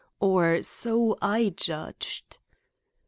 Or so I judged.